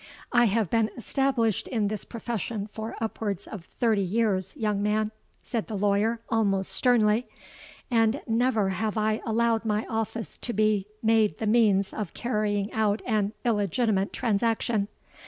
—'I have been established in this profession for upwards of thirty years, young man,' said the lawyer, almost sternly; 'and never have I allowed my office to be made the means of carrying out an illegitimate transaction.